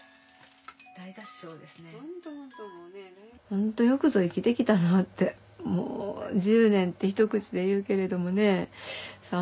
ホントよくぞ生きて来たなぁって。１０年ってひと口で言うけれどもね３６５